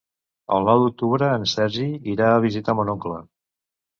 El nou d'octubre en Sergi irà a visitar mon oncle.